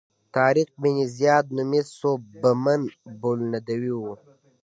طارق بن زیاد نومي سوبمن بولندوی و.